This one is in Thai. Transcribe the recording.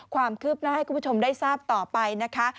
ความคืบหน้าให้คุณผู้ชมได้ทราบต่อไปนะคะ